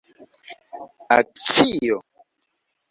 akcio